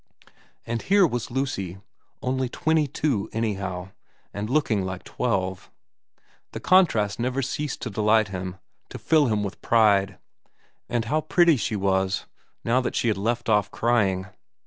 And here was Lucy, only twenty two anyhow, and looking like twelve. The contrast never ceased to delight him, to fill him with pride. And how pretty she was, now that she had left off crying.